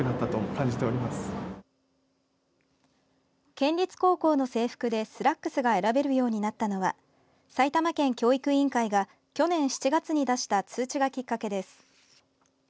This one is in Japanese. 県立高校の制服でスラックスが選べるようになったのは埼玉県教育委員会が去年７月に出した通知がきっかけです。